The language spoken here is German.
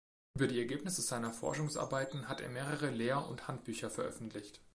Über die Ergebnisse seiner Forschungsarbeiten hat er mehrere Lehr- und Handbücher veröffentlicht.